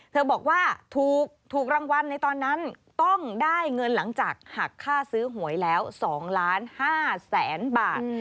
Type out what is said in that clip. เธอบอกว่าถูกรางวัลในตอนนั้นต้องได้เงินหลังจากหักค่าซื้อหวยแล้ว๒ล้าน๕แสนบาท